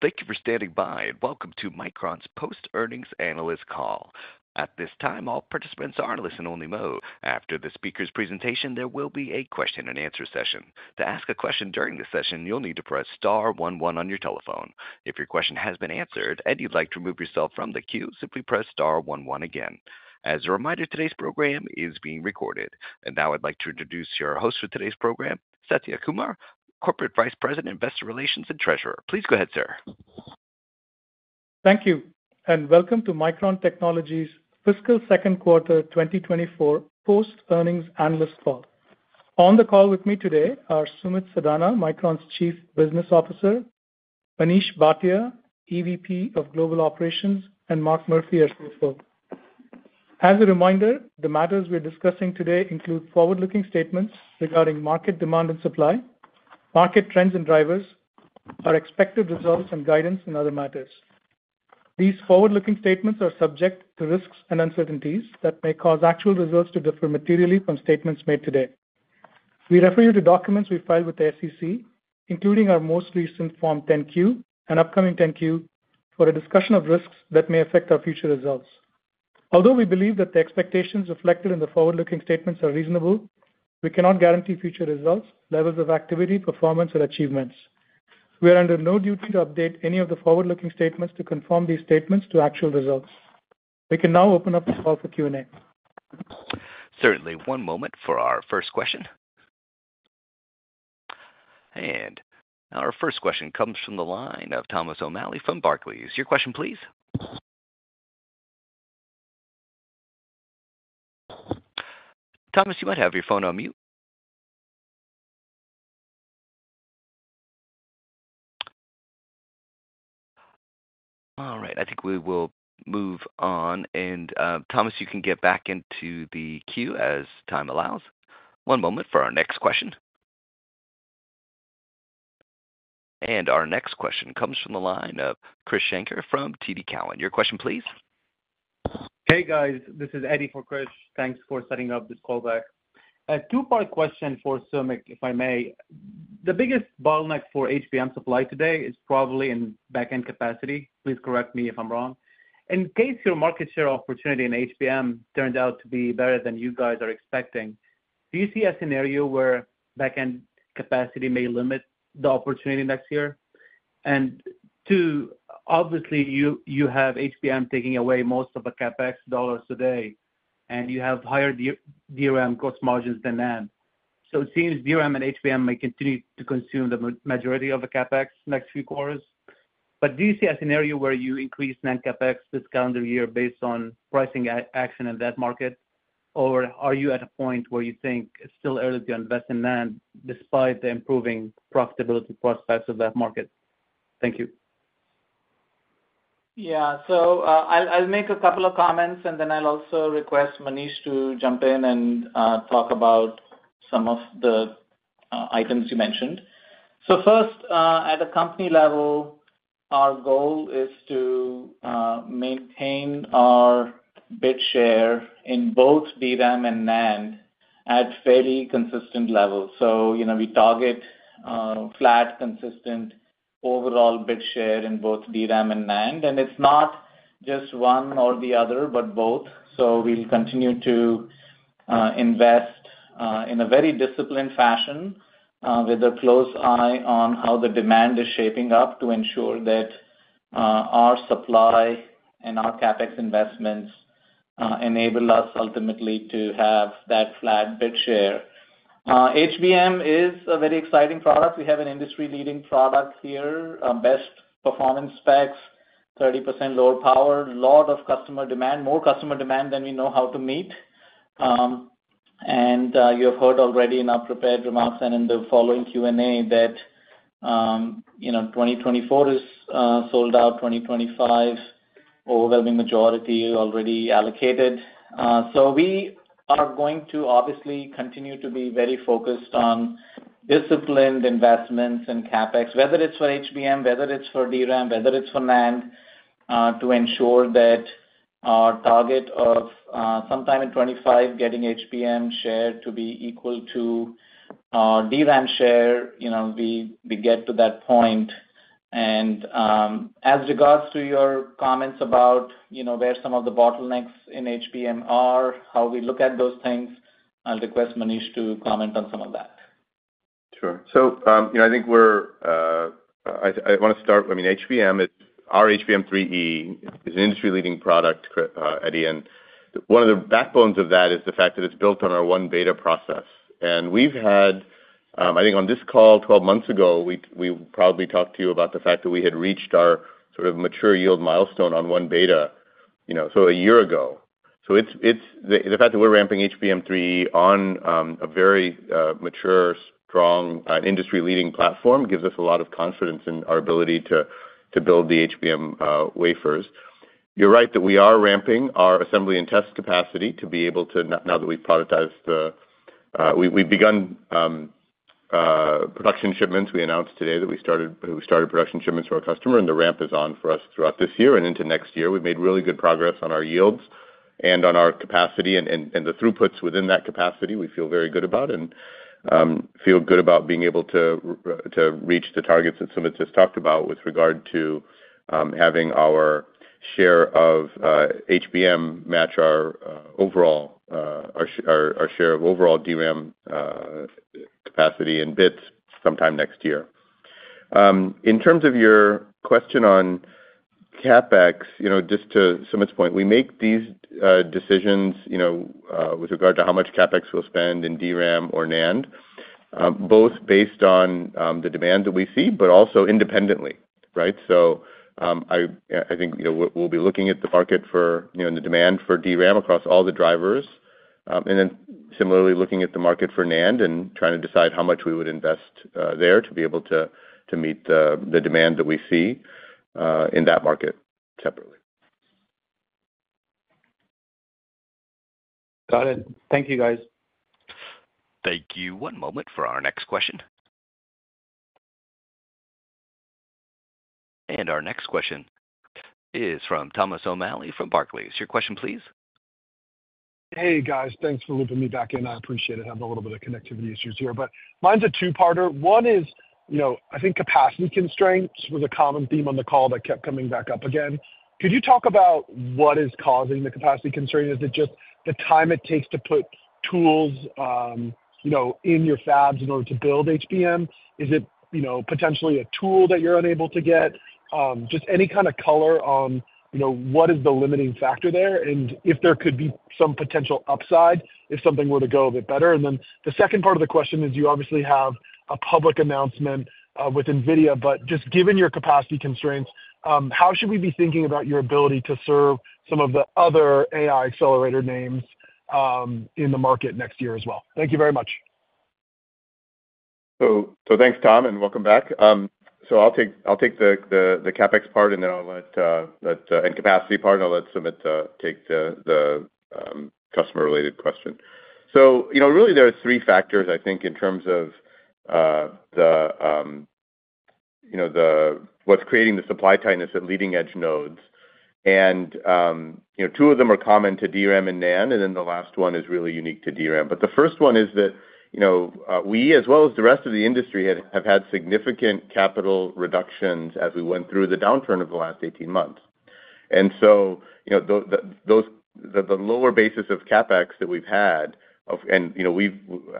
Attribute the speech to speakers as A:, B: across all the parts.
A: Thank you for standing by and welcome to Micron's post-earnings analyst call. At this time, all participants are in listen-only mode. After the speaker's presentation, there will be a question-and-answer session. To ask a question during the session, you'll need to press star 11 on your telephone. If your question has been answered and you'd like to remove yourself from the queue, simply press star 11 again. As a reminder, today's program is being recorded. And now I'd like to introduce your host for today's program, Satya Kumar, Corporate Vice President, Investor Relations, and Treasurer. Please go ahead, sir.
B: Thank you, and welcome to Micron Technology's fiscal second quarter 2024 post-earnings analyst call. On the call with me today are Sumit Sadana, Micron's Chief Business Officer, Manish Bhatia, EVP of Global Operations, and Mark Murphy, our CFO. As a reminder, the matters we're discussing today include forward-looking statements regarding market demand and supply, market trends and drivers, our expected results and guidance in other matters. These forward-looking statements are subject to risks and uncertainties that may cause actual results to differ materially from statements made today. We refer you to documents we filed with the SEC, including our most recent Form 10-Q and upcoming 10-Q, for a discussion of risks that may affect our future results. Although we believe that the expectations reflected in the forward-looking statements are reasonable, we cannot guarantee future results, levels of activity, performance, or achievements. We are under no duty to update any of the forward-looking statements to conform these statements to actual results. We can now open up the call for Q&A.
A: Certainly. One moment for our first question. Our first question comes from the line of Thomas O'Malley from Barclays. Your question, please. Thomas, you might have your phone on mute. All right. I think we will move on. Thomas, you can get back into the queue as time allows. One moment for our next question. Our next question comes from the line of Krish Sankar from TD Cowen. Your question, please.
C: Hey guys, this is Eddie for Krish. Thanks for setting up this callback. A two-part question for Sumit, if I may. The biggest bottleneck for HBM supply today is probably in back-end capacity. Please correct me if I'm wrong. In case your market share opportunity in HBM turned out to be better than you guys are expecting, do you see a scenario where back-end capacity may limit the opportunity next year? And obviously, you have HBM taking away most of the CapEx dollars today, and you have higher DRAM gross margins than NAND. So it seems DRAM and HBM may continue to consume the majority of the CapEx next few quarters. But do you see a scenario where you increase NAND CapEx this calendar year based on pricing action in that market, or are you at a point where you think it's still early to invest in NAND despite the improving profitability prospects of that market? Thank you.
D: Yeah. I'll make a couple of comments, and then I'll also request Manish to jump in and talk about some of the items you mentioned. First, at a company level, our goal is to maintain our bit share in both DRAM and NAND at fairly consistent levels. We target flat, consistent overall bit share in both DRAM and NAND. It's not just one or the other, but both. We'll continue to invest in a very disciplined fashion with a close eye on how the demand is shaping up to ensure that our supply and our CapEx investments enable us ultimately to have that flat bit share. HBM is a very exciting product. We have an industry-leading product here, best performance specs, 30% lower power, a lot of customer demand, more customer demand than we know how to meet. You have heard already in our prepared remarks and in the following Q&A that 2024 is sold out, 2025 overwhelming majority already allocated. We are going to obviously continue to be very focused on disciplined investments in CapEx, whether it's for HBM, whether it's for DRAM, whether it's for NAND, to ensure that our target of sometime in 2025 getting HBM share to be equal to our DRAM share, we get to that point. As regards to your comments about where some of the bottlenecks in HBM are, how we look at those things, I'll request Manish to comment on some of that.
E: Sure. So I think I want to start. I mean, HBM, our HBM3E, is an industry-leading product, Eddie. And one of the backbones of that is the fact that it's built on our 1-beta process. And we've had, I think, on this call 12 months ago, we probably talked to you about the fact that we had reached our sort of mature yield milestone on 1-beta so a year ago. So the fact that we're ramping HBM3E on a very mature, strong, industry-leading platform gives us a lot of confidence in our ability to build the HBM wafers. You're right that we are ramping our assembly and test capacity to be able to now that we've productized, we've begun production shipments. We announced today that we started production shipments for our customer, and the ramp is on for us throughout this year and into next year. We've made really good progress on our yields and on our capacity. And the throughputs within that capacity, we feel very good about and feel good about being able to reach the targets that Sumit just talked about with regard to having our share of HBM match our share of overall DRAM capacity in bits sometime next year. In terms of your question on CapEx, just to Sumit's point, we make these decisions with regard to how much CapEx we'll spend in DRAM or NAND, both based on the demand that we see but also independently, right? I think we'll be looking at the market for and the demand for DRAM across all the drivers, and then similarly looking at the market for NAND and trying to decide how much we would invest there to be able to meet the demand that we see in that market separately.
C: Got it. Thank you, guys.
A: Thank you. One moment for our next question. Our next question is from Thomas O'Malley from Barclays. Your question, please.
F: Hey guys. Thanks for looping me back in. I appreciate it. I have a little bit of connectivity issues here. But mine's a two-parter. One is, I think, capacity constraints was a common theme on the call that kept coming back up again. Could you talk about what is causing the capacity concern? Is it just the time it takes to put tools in your fabs in order to build HBM? Is it potentially a tool that you're unable to get? Just any kind of color on what is the limiting factor there and if there could be some potential upside if something were to go a bit better. And then the second part of the question is you obviously have a public announcement with NVIDIA. Just given your capacity constraints, how should we be thinking about your ability to serve some of the other AI accelerator names in the market next year as well? Thank you very much.
E: So thanks, Tom, and welcome back. So I'll take the CapEx part, and then I'll let Sumit take the capacity part, and I'll let Sumit take the customer-related question. So really, there are three factors, I think, in terms of what's creating the supply tightness at leading-edge nodes. And two of them are common to DRAM and NAND, and then the last one is really unique to DRAM. But the first one is that we, as well as the rest of the industry, have had significant capital reductions as we went through the downturn of the last 18 months. And so the lower basis of CapEx that we've had and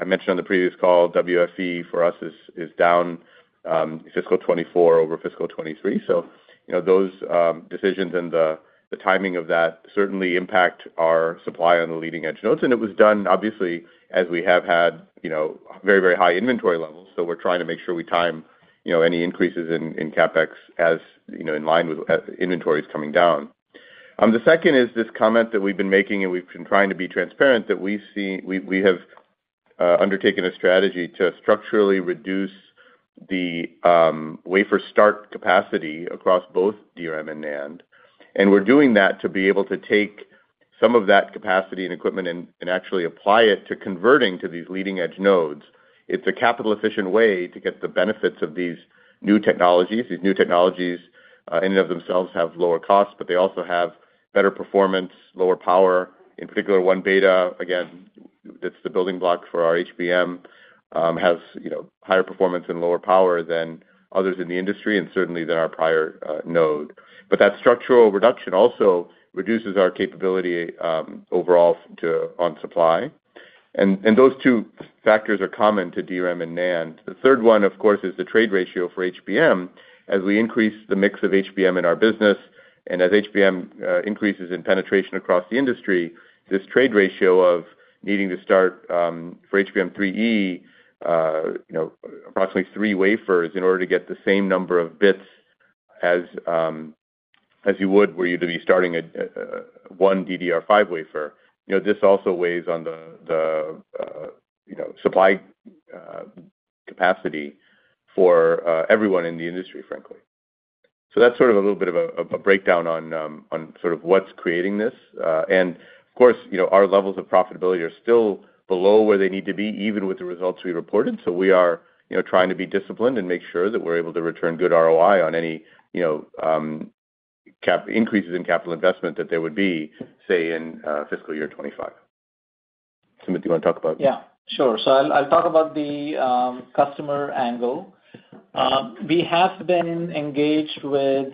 E: I mentioned on the previous call, WFE for us is down fiscal 2024 over fiscal 2023. So those decisions and the timing of that certainly impact our supply on the leading-edge nodes. It was done, obviously, as we have had very, very high inventory levels. So we're trying to make sure we time any increases in CapEx in line with inventories coming down. The second is this comment that we've been making, and we've been trying to be transparent, that we have undertaken a strategy to structurally reduce the wafer start capacity across both DRAM and NAND. We're doing that to be able to take some of that capacity and equipment and actually apply it to converting to these leading-edge nodes. It's a capital-efficient way to get the benefits of these new technologies. These new technologies, in and of themselves, have lower costs, but they also have better performance, lower power. In particular, 1-beta, again, that's the building block for our HBM, has higher performance and lower power than others in the industry and certainly than our prior node. But that structural reduction also reduces our capability overall on supply. Those two factors are common to DRAM and NAND. The third one, of course, is the trade ratio for HBM. As we increase the mix of HBM in our business and as HBM increases in penetration across the industry, this trade ratio of needing to start for HBM3E approximately 3 wafers in order to get the same number of bits as you would were you to be starting a 1 DDR5 wafer, this also weighs on the supply capacity for everyone in the industry, frankly. So that's sort of a little bit of a breakdown on sort of what's creating this. Of course, our levels of profitability are still below where they need to be, even with the results we reported.
F: So we are trying to be disciplined and make sure that we're able to return good ROI on any increases in capital investment that there would be, say, in fiscal year 2025. Sumit, do you want to talk about?
D: Yeah. Sure. I'll talk about the customer angle. We have been engaged with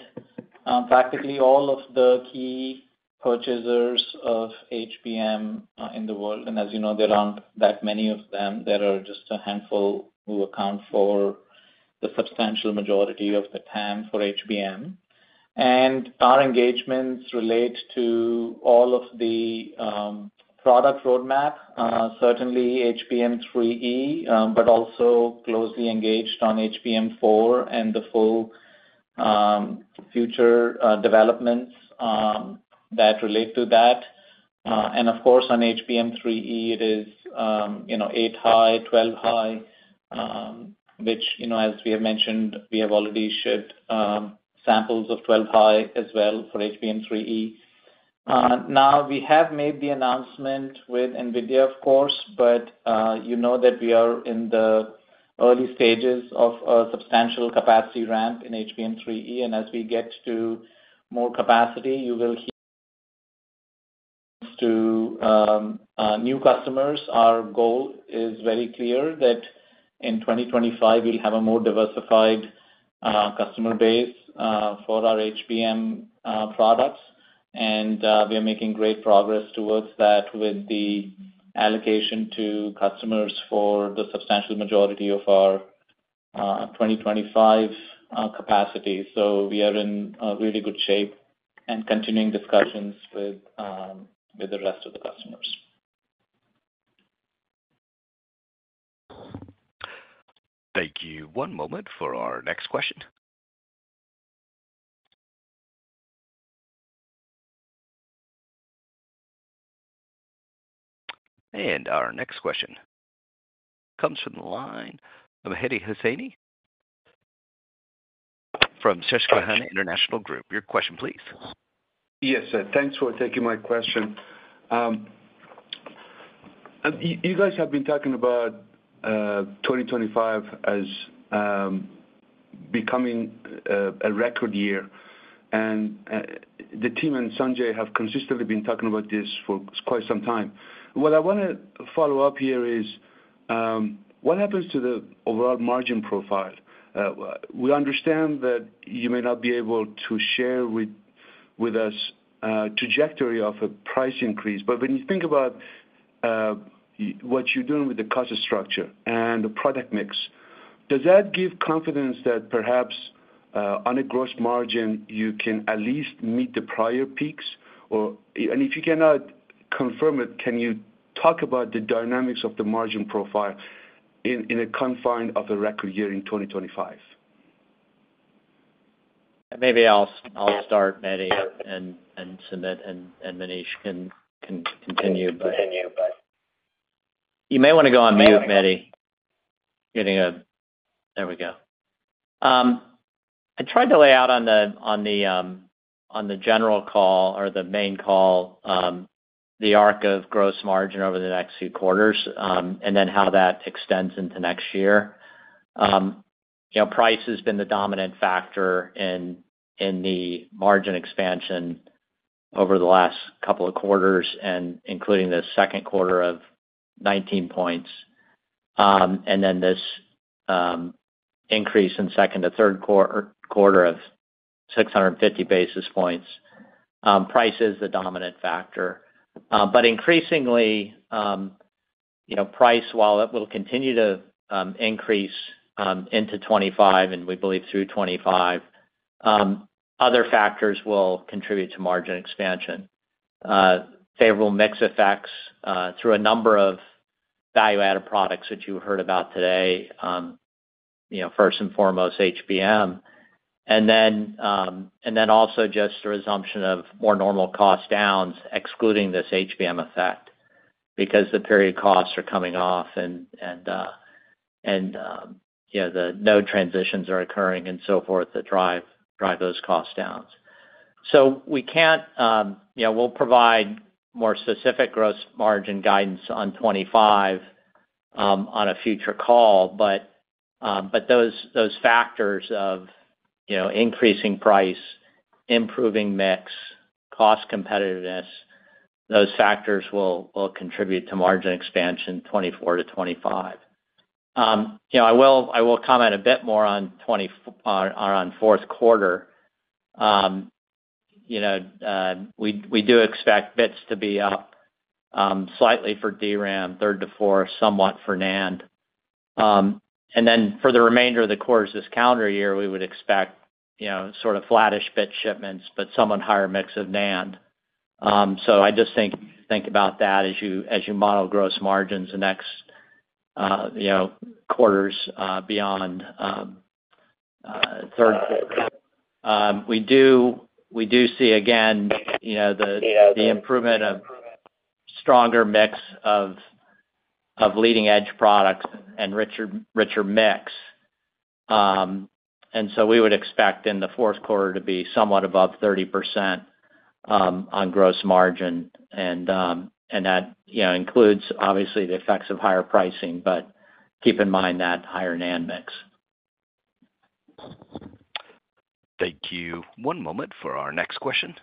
D: practically all of the key purchasers of HBM in the world. As you know, there aren't that many of them. There are just a handful who account for the substantial majority of the TAM for HBM. Our engagements relate to all of the product roadmap, certainly HBM3E, but also closely engaged on HBM4 and the full future developments that relate to that. Of course, on HBM3E, it is 8-high, 12-high, which, as we have mentioned, we have already shipped samples of 12-high as well for HBM3E. Now, we have made the announcement with NVIDIA, of course, but you know that we are in the early stages of a substantial capacity ramp in HBM3E. As we get to more capacity, you will hear about new customers. Our goal is very clear that in 2025, we'll have a more diversified customer base for our HBM products. We are making great progress toward that with the allocation to customers for the substantial majority of our 2025 capacity. We are in really good shape and continuing discussions with the rest of the customers.
A: Thank you. One moment for our next question. Our next question comes from the line of Mehdi Hosseini from Susquehanna International Group. Your question, please.
G: Yes, sir. Thanks for taking my question. You guys have been talking about 2025 as becoming a record year. The team and Sanjay have consistently been talking about this for quite some time. What I want to follow up here is what happens to the overall margin profile? We understand that you may not be able to share with us a trajectory of a price increase. But when you think about what you're doing with the cost structure and the product mix, does that give confidence that perhaps on a gross margin, you can at least meet the prior peaks? And if you cannot confirm it, can you talk about the dynamics of the margin profile in the confines of a record year in 2025?
H: Maybe I'll start, Mehdi, and Sumit, and Manish can continue, but you may want to go on mute, Mehdi. There we go. I tried to lay out on the general call or the main call the arc of gross margin over the next few quarters and then how that extends into next year. Price has been the dominant factor in the margin expansion over the last couple of quarters, including the second quarter of 19 points and then this increase in second to third quarter of 650 basis points. Price is the dominant factor. But increasingly, price, while it will continue to increase into 2025 and we believe through 2025, other factors will contribute to margin expansion. Favorable mix effects through a number of value-added products that you heard about today, first and foremost, HBM, and then also just the resumption of more normal cost downs excluding this HBM effect because the period costs are coming off and the node transitions are occurring and so forth that drive those cost downs. So, we can't. We'll provide more specific gross margin guidance on 2025 on a future call. But those factors of increasing price, improving mix, cost competitiveness, those factors will contribute to margin expansion 2024 to 2025. I will comment a bit more on fourth quarter. We do expect bits to be up slightly for DRAM, third to fourth, somewhat for NAND. And then for the remainder of the quarters this calendar year, we would expect sort of flattish bit shipments but somewhat higher mix of NAND. So I just think about that as you model gross margins the next quarters beyond third quarter. We do see, again, the improvement of stronger mix of leading-edge products and richer mix. And so we would expect in the fourth quarter to be somewhat above 30% on gross margin. And that includes, obviously, the effects of higher pricing. But keep in mind that higher NAND mix.
A: Thank you. One moment for our next question.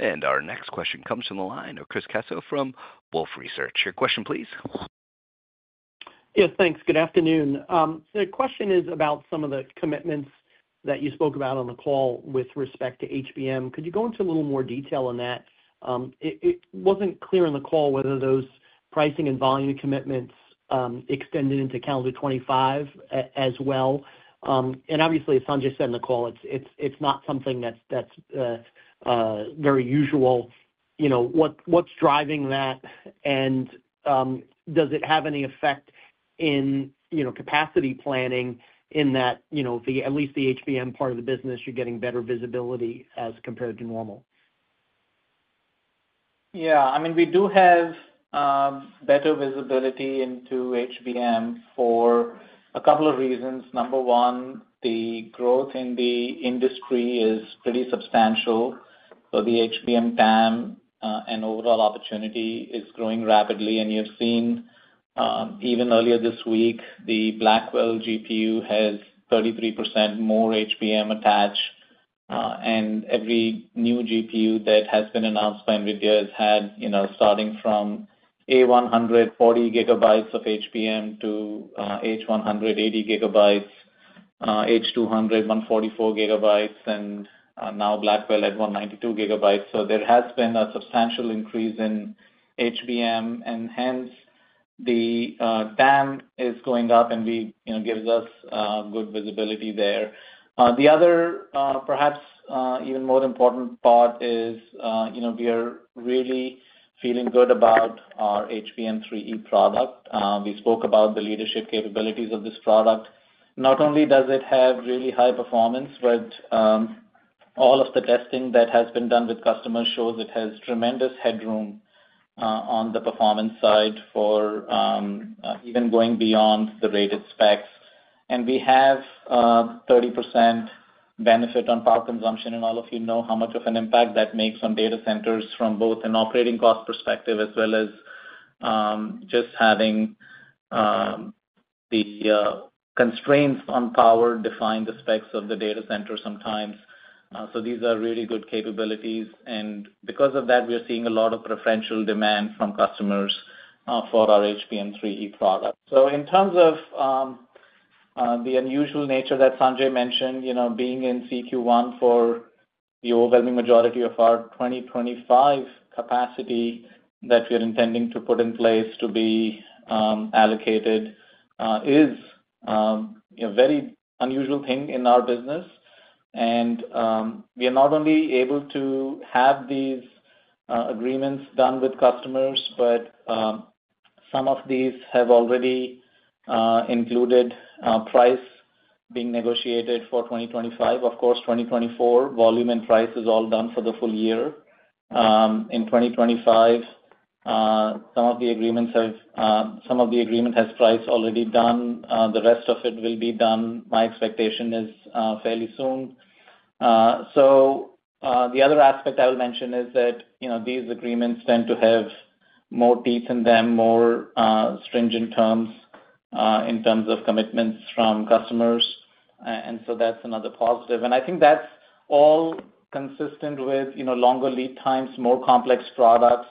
A: Our next question comes from the line of Chris Caso from Wolfe Research. Your question, please.
I: Yes, thanks. Good afternoon. The question is about some of the commitments that you spoke about on the call with respect to HBM. Could you go into a little more detail on that? It wasn't clear in the call whether those pricing and volume commitments extended into calendar 2025 as well. Obviously, as Sanjay said in the call, it's not something that's very usual. What's driving that? And does it have any effect in capacity planning in that, at least the HBM part of the business, you're getting better visibility as compared to normal?
D: Yeah. I mean, we do have better visibility into HBM for a couple of reasons. Number one, the growth in the industry is pretty substantial. So the HBM TAM and overall opportunity is growing rapidly. And you've seen even earlier this week, the Blackwell GPU has 33% more HBM attached. And every new GPU that has been announced by NVIDIA has had, starting from A100, 40 GB of HBM to H100, 80 GB, H200, 144 GB, and now Blackwell at 192 GB. So there has been a substantial increase in HBM. And hence, the TAM is going up, and it gives us good visibility there. The other, perhaps even more important part is we are really feeling good about our HBM3E product. We spoke about the leadership capabilities of this product. Not only does it have really high performance, but all of the testing that has been done with customers shows it has tremendous headroom on the performance side for even going beyond the rated specs. We have 30% benefit on power consumption. All of you know how much of an impact that makes on data centers from both an operating cost perspective as well as just having the constraints on power define the specs of the data center sometimes. These are really good capabilities. Because of that, we are seeing a lot of preferential demand from customers for our HBM3E product. In terms of the unusual nature that Sanjay mentioned, being in Q1 for the overwhelming majority of our 2025 capacity that we are intending to put in place to be allocated is a very unusual thing in our business. We are not only able to have these agreements done with customers, but some of these have already included price being negotiated for 2025. Of course, 2024, volume and price is all done for the full year. In 2025, some of the agreements have price already done. The rest of it will be done, my expectation, is fairly soon. The other aspect I will mention is that these agreements tend to have more teeth in them, more stringent terms in terms of commitments from customers. So that's another positive. I think that's all consistent with longer lead times, more complex products,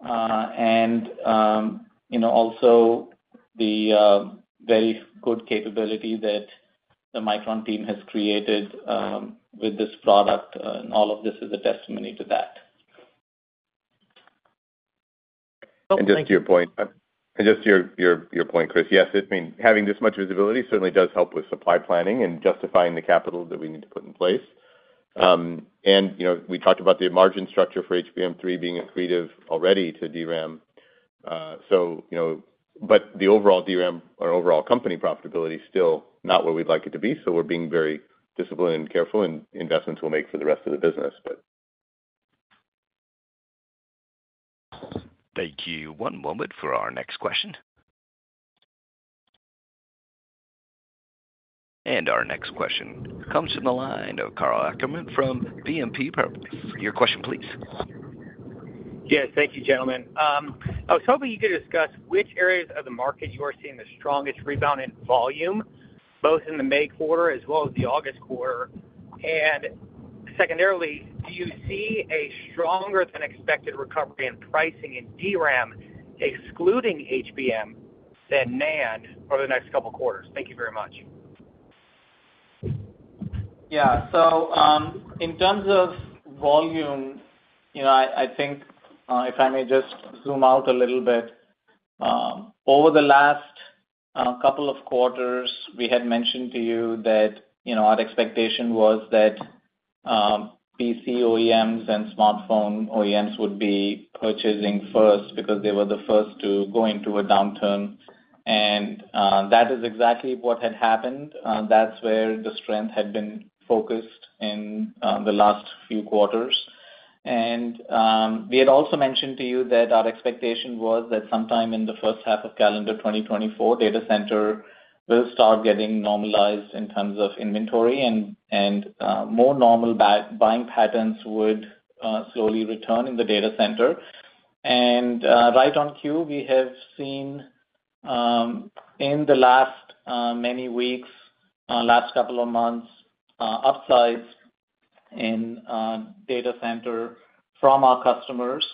D: and also the very good capability that the Micron team has created with this product. All of this is a testimony to that.
E: And just to your point and just to your point, Chris, yes, I mean, having this much visibility certainly does help with supply planning and justifying the capital that we need to put in place. We talked about the margin structure for HBM3E being accretive already to DRAM. But the overall DRAM or overall company profitability is still not where we'd like it to be. So we're being very disciplined and careful, and investments we'll make for the rest of the business, but.
A: Thank you. One moment for our next question. Our next question comes from the line of Karl Ackerman from BNP Paribas. Your question, please.
J: Yes. Thank you, gentlemen. I was hoping you could discuss which areas of the market you are seeing the strongest rebound in volume, both in the May quarter as well as the August quarter. Secondarily, do you see a stronger-than-expected recovery in pricing in DRAM excluding HBM than NAND over the next couple of quarters? Thank you very much.
D: Yeah. So in terms of volume, I think if I may just zoom out a little bit, over the last couple of quarters, we had mentioned to you that our expectation was that PC OEMs and smartphone OEMs would be purchasing first because they were the first to go into a downturn. That is exactly what had happened. That's where the strength had been focused in the last few quarters. We had also mentioned to you that our expectation was that sometime in the first half of calendar 2024, data center will start getting normalized in terms of inventory, and more normal buying patterns would slowly return in the data center. Right on cue, we have seen in the last many weeks, last couple of months, upsides in data center from our customers.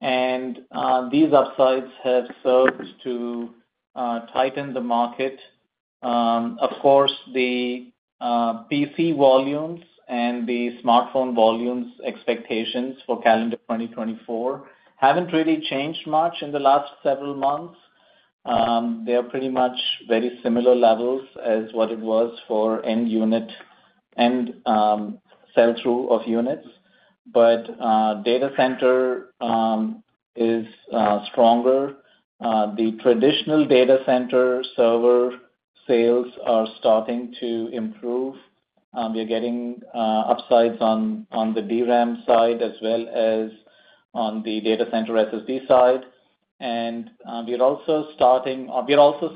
D: These upsides have served to tighten the market. Of course, the PC volumes and the smartphone volumes expectations for calendar 2024 haven't really changed much in the last several months. They are pretty much very similar levels as what it was for end unit and sell-through of units. But data center is stronger. The traditional data center server sales are starting to improve. We are getting upsides on the DRAM side as well as on the data center SSD side. And we are also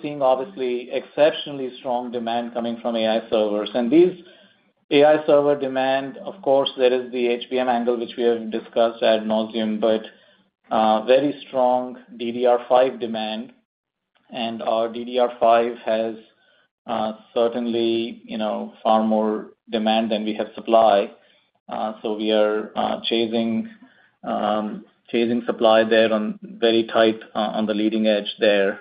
D: seeing, obviously, exceptionally strong demand coming from AI servers. And this AI server demand, of course, there is the HBM angle, which we have discussed ad nauseam, but very strong DDR5 demand. And our DDR5 has certainly far more demand than we have supply. So we are chasing supply there on very tight on the leading edge there.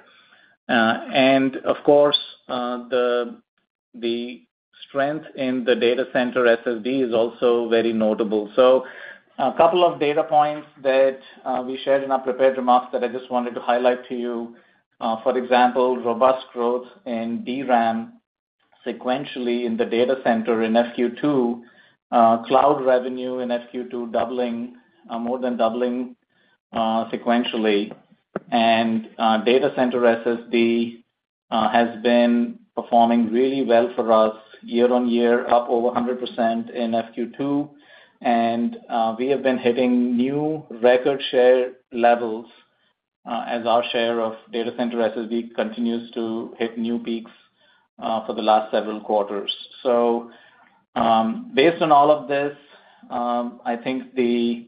D: Of course, the strength in the data center SSD is also very notable. A couple of data points that we shared in our prepared remarks that I just wanted to highlight to you. For example, robust growth in DRAM sequentially in the data center in FQ2, cloud revenue in FQ2 doubling, more than doubling sequentially. Data center SSD has been performing really well for us year-on-year, up over 100% in FQ2. We have been hitting new record share levels as our share of data center SSD continues to hit new peaks for the last several quarters. Based on all of this, I think the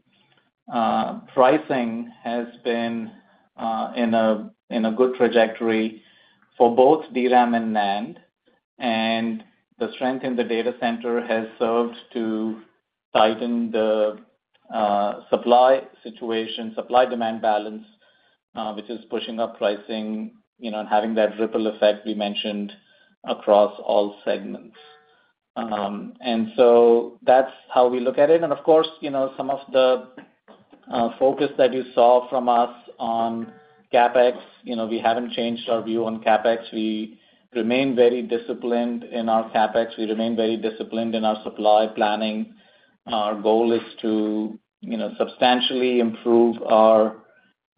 D: pricing has been in a good trajectory for both DRAM and NAND. The strength in the data center has served to tighten the supply situation, supply-demand balance, which is pushing up pricing and having that ripple effect we mentioned across all segments. So that's how we look at it. Of course, some of the focus that you saw from us on CapEx, we haven't changed our view on CapEx. We remain very disciplined in our CapEx. We remain very disciplined in our supply planning. Our goal is to substantially improve our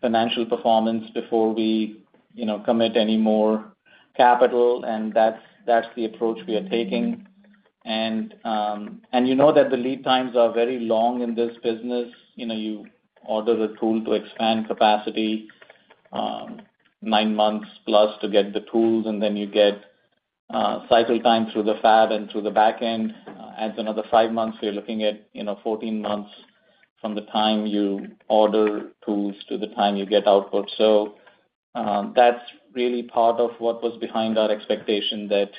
D: financial performance before we commit any more capital. That's the approach we are taking. You know that the lead times are very long in this business. You order a tool to expand capacity, 9+ months to get the tools, and then you get cycle time through the fab and through the backend. Add another 5 months, you're looking at 14 months from the time you order tools to the time you get output. So that's really part of what was behind our expectation that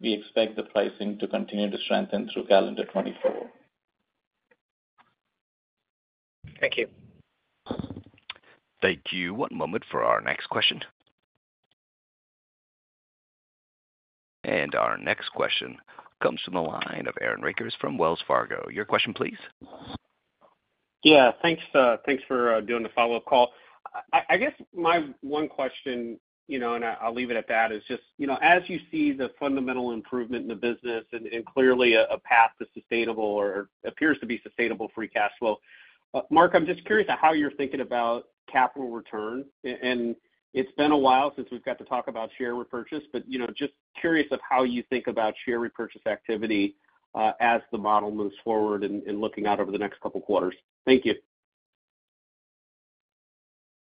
D: we expect the pricing to continue to strengthen through calendar 2024.
J: Thank you.
A: Thank you. One moment for our next question. Our next question comes from the line of Aaron Rakers from Wells Fargo. Your question, please.
K: Yeah. Thanks for doing the follow-up call. I guess my one question, and I'll leave it at that, is just as you see the fundamental improvement in the business and clearly a path that appears to be sustainable free cash flow. Mark, I'm just curious how you're thinking about capital return. It's been a while since we've got to talk about share repurchase, but just curious of how you think about share repurchase activity as the model moves forward and looking out over the next couple of quarters. Thank you.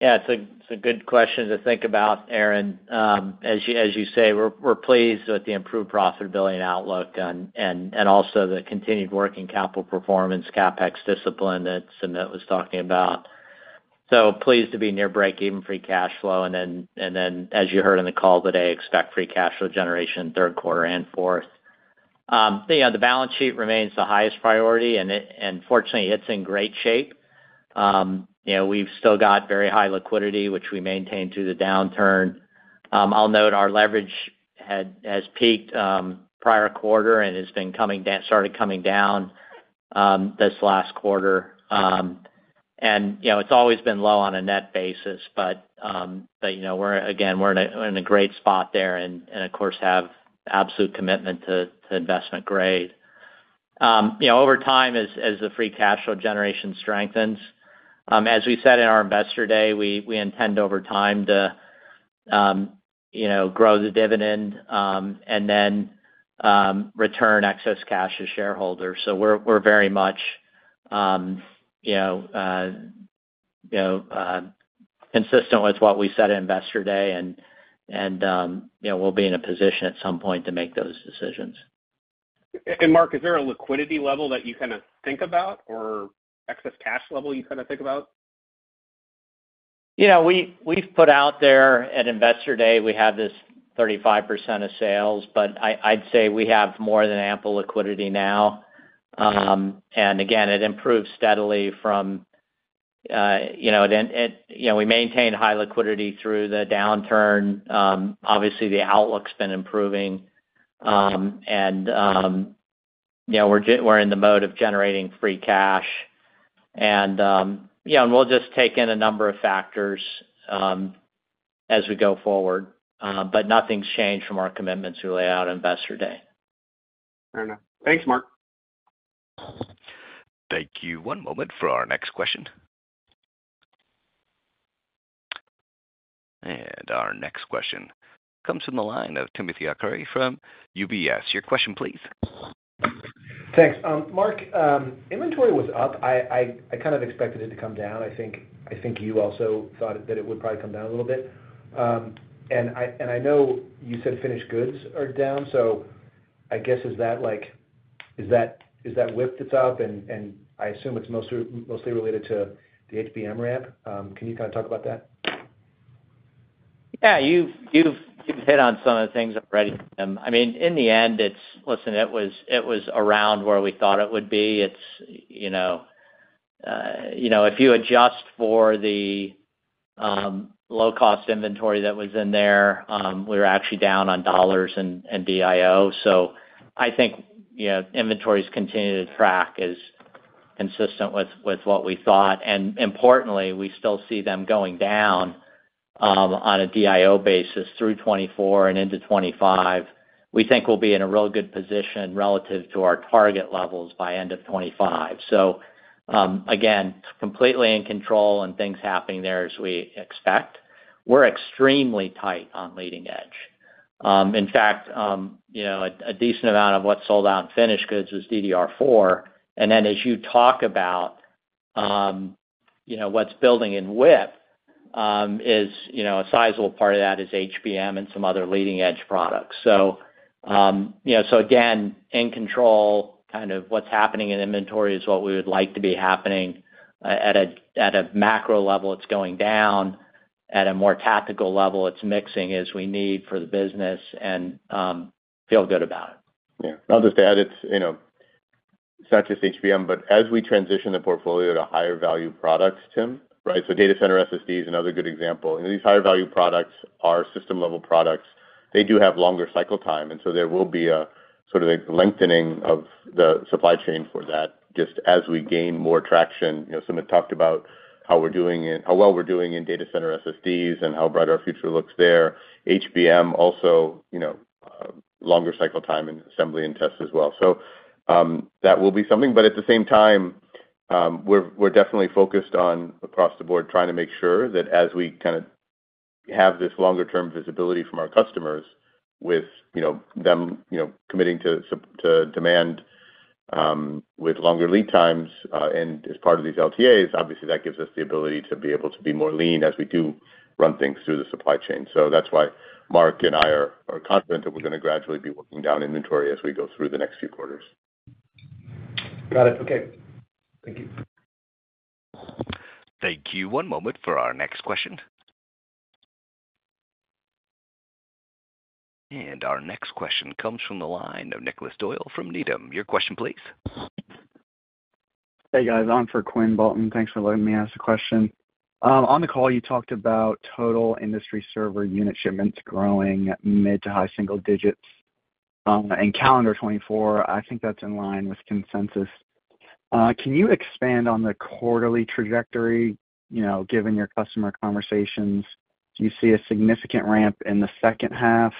H: Yeah. It's a good question to think about, Aaron. As you say, we're pleased with the improved profitability outlook and also the continued working capital performance, CapEx discipline that Sumit was talking about. So pleased to be near break-even free cash flow. And then as you heard in the call today, expect free cash flow generation third quarter and fourth. The balance sheet remains the highest priority, and fortunately, it's in great shape. We've still got very high liquidity, which we maintained through the downturn. I'll note our leverage has peaked prior quarter and has started coming down this last quarter. And it's always been low on a net basis, but again, we're in a great spot there and, of course, have absolute commitment to investment grade. Over time, as the free cash flow generation strengthens, as we said in our Investor day, we intend over time to grow the dividend and then return excess cash to shareholders. So we're very much consistent with what we said in Investor day, and we'll be in a position at some point to make those decisions.
K: Mark, is there a liquidity level that you kind of think about or excess cash level you kind of think about?
H: We've put out there at Investor Day, we have this 35% of sales, but I'd say we have more than ample liquidity now. And again, it improves steadily from we maintain high liquidity through the downturn. Obviously, the outlook's been improving, and we're in the mode of generating free cash. And we'll just take in a number of factors as we go forward, but nothing's changed from our commitments we laid out Investor Day.
K: Fair enough. Thanks, Mark.
A: Thank you. One moment for our next question. Our next question comes from the line of Timothy Arcuri from UBS. Your question, please.
L: Thanks. Mark, inventory was up. I kind of expected it to come down. I think you also thought that it would probably come down a little bit. And I know you said finished goods are down. So I guess is that WIP that's up? And I assume it's mostly related to the HBM ramp. Can you kind of talk about that?
H: Yeah. You've hit on some of the things already. I mean, in the end, listen, it was around where we thought it would be. It's if you adjust for the low-cost inventory that was in there, we were actually down on dollars and DIO. So I think inventories continue to track as consistent with what we thought. And importantly, we still see them going down on a DIO basis through 2024 and into 2025. We think we'll be in a real good position relative to our target levels by end of 2025. So again, completely in control and things happening there as we expect. We're extremely tight on leading edge. In fact, a decent amount of what sold out in finished goods was DDR4. And then as you talk about what's building in WIP, a sizable part of that is HBM and some other leading-edge products. So again, in control, kind of what's happening in inventory is what we would like to be happening. At a macro level, it's going down. At a more tactical level, it's mixing as we need for the business and feel good about it.
E: Yeah. I'll just add it's not just HBM, but as we transition the portfolio to higher-value products, Tim, right, so data center SSDs and other good example, these higher-value products are system-level products. They do have longer cycle time, and so there will be sort of a lengthening of the supply chain for that just as we gain more traction. Sumit talked about how we're doing it, how well we're doing in data center SSDs and how bright our future looks there. HBM, also longer cycle time in assembly and test as well. So that will be something. But at the same time, we're definitely focused on across the board trying to make sure that as we kind of have this longer-term visibility from our customers with them committing to demand with longer lead times and as part of these LTAs, obviously, that gives us the ability to be able to be more lean as we do run things through the supply chain. So that's why Mark and I are confident that we're going to gradually be working down inventory as we go through the next few quarters.
L: Got it. Okay. Thank you.
A: Thank you. One moment for our next question. Our next question comes from the line of Nicholas Doyle from Needham. Your question, please.
M: Hey, guys. I'm Quinn Bolton. Thanks for letting me ask the question. On the call, you talked about total industry server unit shipments growing mid to high single digits. In calendar 2024, I think that's in line with consensus. Can you expand on the quarterly trajectory given your customer conversations? Do you see a significant ramp in the second half,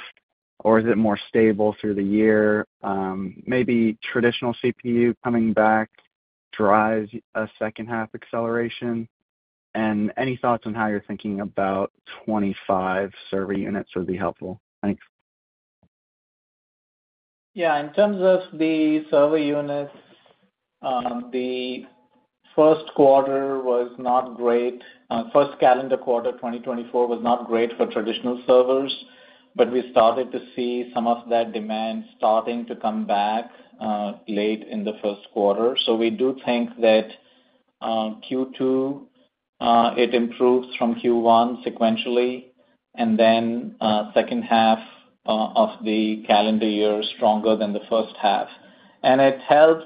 M: or is it more stable through the year? Maybe traditional CPU coming back drives a second-half acceleration. And any thoughts on how you're thinking about 2025 server units would be helpful. Thanks.
D: Yeah. In terms of the server units, the first quarter was not great. First calendar quarter 2024 was not great for traditional servers, but we started to see some of that demand starting to come back late in the first quarter. So we do think that Q2, it improves from Q1 sequentially, and then second half of the calendar year stronger than the first half. And it helps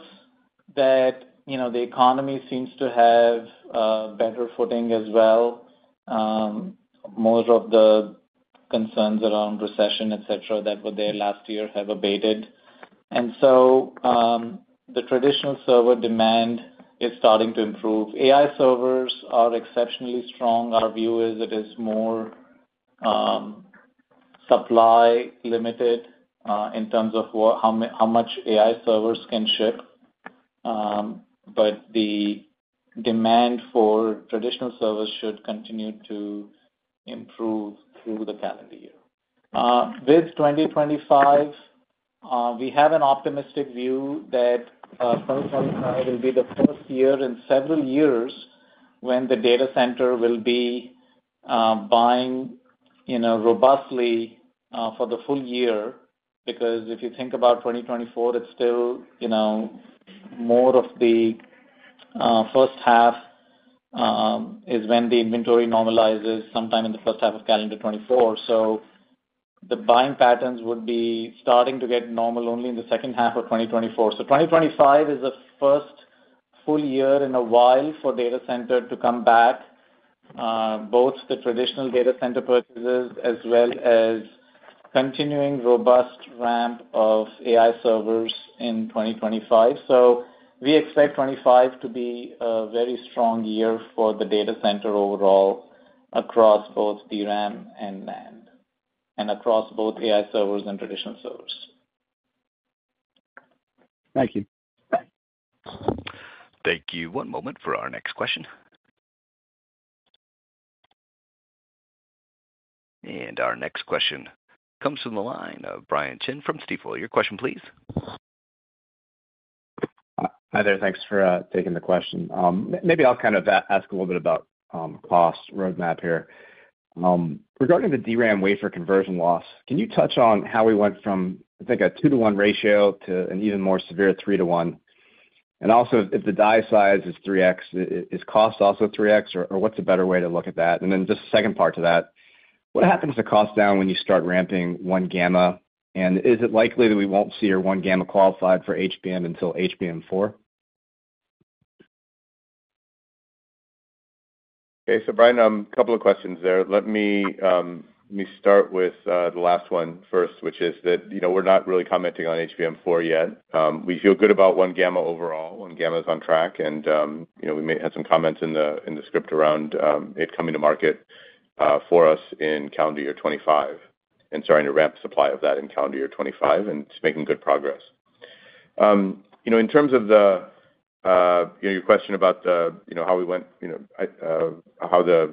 D: that the economy seems to have better footing as well. Most of the concerns around recession, etc., that were there last year have abated. And so the traditional server demand is starting to improve. AI servers are exceptionally strong. Our view is it is more supply-limited in terms of how much AI servers can ship. But the demand for traditional servers should continue to improve through the calendar year. With 2025, we have an optimistic view that 2025 will be the first year in several years when the data center will be buying robustly for the full year because if you think about 2024, it's still more of the first half is when the inventory normalizes sometime in the first half of calendar 2024. So the buying patterns would be starting to get normal only in the second half of 2024. So 2025 is the first full year in a while for data center to come back, both the traditional data center purchases as well as continuing robust ramp of AI servers in 2025. So we expect 2025 to be a very strong year for the data center overall across both DRAM and NAND and across both AI servers and traditional servers.
L: Thank you.
A: Thank you. One moment for our next question. Our next question comes from the line of Brian Chin from Stifel. Your question, please.
N: Hi there. Thanks for taking the question. Maybe I'll kind of ask a little bit about cost roadmap here. Regarding the DRAM wafer conversion loss, can you touch on how we went from, I think, a 2:1 ratio to an even more severe 3:1? And also, if the die size is 3X, is cost also 3X, or what's a better way to look at that? And then just the second part to that, what happens to cost down when you start ramping 1-gamma? And is it likely that we won't see our 1-gamma qualified for HBM until HBM4?
E: Okay. So Brian, a couple of questions there. Let me start with the last one first, which is that we're not really commenting on HBM4 yet. We feel good about 1-gamma overall. 1-gamma is on track. We may have some comments in the script around it coming to market for us in calendar year 2025 and starting to ramp supply of that in calendar year 2025, and it's making good progress. In terms of your question about how we went how the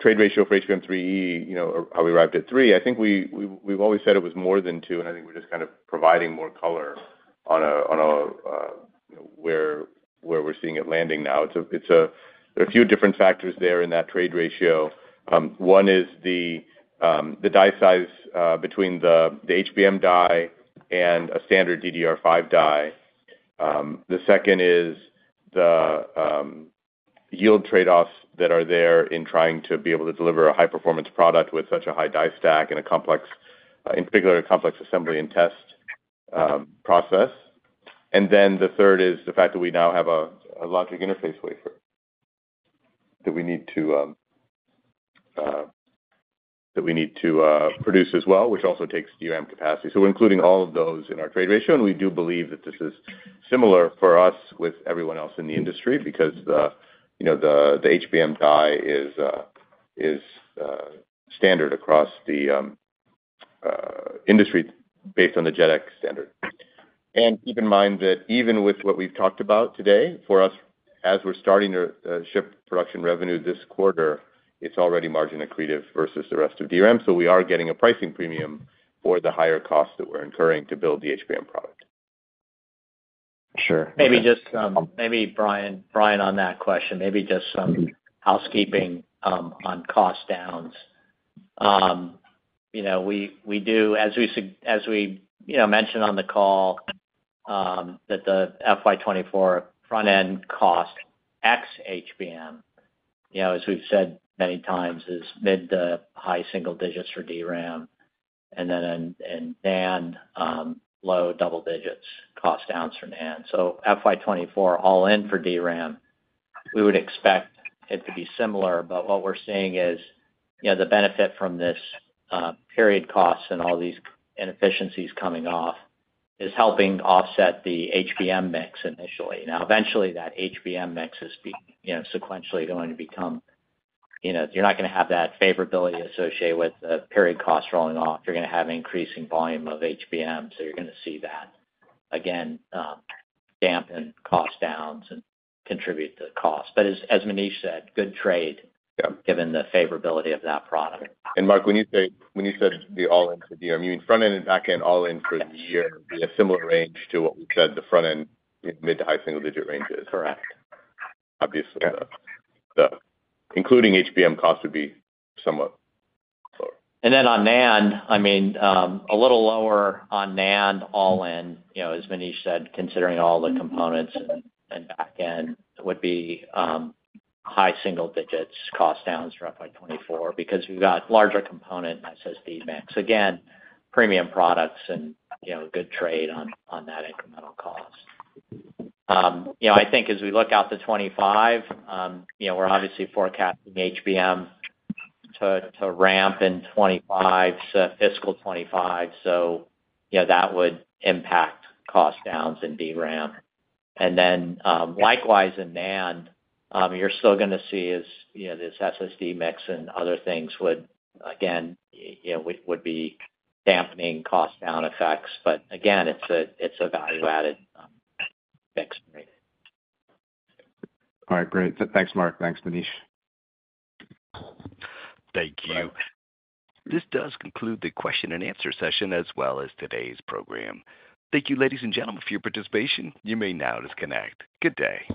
E: trade ratio for HBM3E, how we arrived at 3, I think we've always said it was more than 2, and I think we're just kind of providing more color on where we're seeing it landing now. There are a few different factors there in that trade ratio. One is the die size between the HBM die and a standard DDR5 die. The second is the yield trade-offs that are there in trying to be able to deliver a high-performance product with such a high die stack and, in particular, a complex assembly and test process. And then the third is the fact that we now have a logic interface wafer that we need to produce as well, which also takes DRAM capacity. So we're including all of those in our trade ratio, and we do believe that this is similar for us with everyone else in the industry because the HBM die is standard across the industry based on the JEDEC standard. And keep in mind that even with what we've talked about today, for us, as we're starting to ship production revenue this quarter, it's already margin accretive versus the rest of DRAM. So we are getting a pricing premium for the higher cost that we're incurring to build the HBM product.
H: Maybe Brian, on that question, maybe just some housekeeping on cost downs. We do, as we mentioned on the call, that the FY 2024 front-end cost ex-HBM, as we've said many times, is mid- to high single digits for DRAM and then NAND low double digits, cost down for NAND. So FY 2024 all-in for DRAM, we would expect it to be similar. But what we're seeing is the benefit from this period cost and all these inefficiencies coming off is helping offset the HBM mix initially. Now, eventually, that HBM mix is sequentially going to become, you're not going to have that favorability associated with the period cost rolling off. You're going to have increasing volume of HBM, so you're going to see that, again, dampen cost downs and contribute to cost. But as Manish said, good trade given the favorability of that product.
N: Mark, when you said the all-in for DRAM, you mean front-end and back-end all-in for the year be a similar range to what we said the front-end mid to high single-digit range is?
H: Correct.
E: Obviously, the including HBM cost would be somewhat lower.
H: And then on NAND, I mean, a little lower on NAND all-in, as Manish said, considering all the components and back-end, it would be high single digits cost downs for FY 2024 because we've got larger components, as I said, HBM stacks. Again, premium products and good trade on that incremental cost. I think as we look out to 2025, we're obviously forecasting HBM to ramp in 2025, fiscal 2025, so that would impact cost downs in DRAM. And then likewise in NAND, you're still going to see this SSD mix and other things would, again, would be dampening cost-down effects. But again, it's a value-added mix rate.
N: All right. Great. Thanks, Mark. Thanks, Manish.
A: Thank you. This does conclude the question-and-answer session as well as today's program. Thank you, ladies and gentlemen, for your participation. You may now disconnect. Good day.